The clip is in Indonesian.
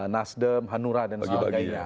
nasdem hanura dan sebagainya